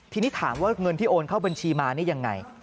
ทีนี้ถามว่าเงินที่โอนเข้าบัญชีมานี่ยังไง